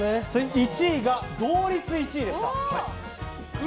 １位が同率１位でした。